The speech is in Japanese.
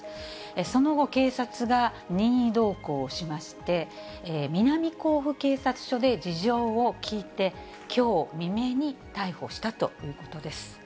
その後、警察が任意同行しまして、南甲府警察署で事情を聴いて、きょう未明に逮捕したということです。